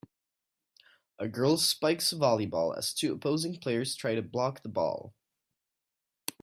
A girl spikes a volleyball as two opposing players try to block the ball.